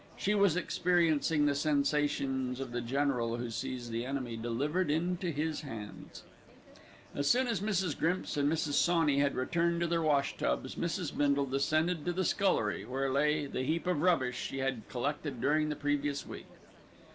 She was experiencing the sensations of the general who sees the enemy delivered into his hands. As soon as Mrs. Grimps and Mrs. Sawney had returned to their wash tubs, Mrs. Bindle descended to the scullery, where lay the heap of rubbish she had collected during the previous week.